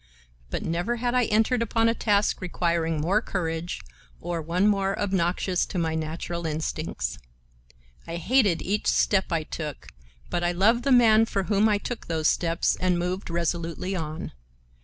But never had I entered upon a task requiring more courage or one more obnoxious to my natural instincts. I hated each step I took, but I loved the man for whom I took those steps, and moved resolutely on.